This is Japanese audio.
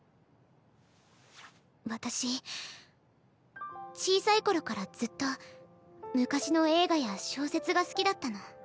私小さい頃からずっと昔の映画や小説が好きだったの。